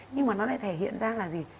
nhưng mà nó lại thể hiện ra là gì